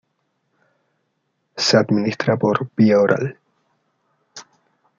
Se administra por vía oral.